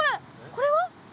これは？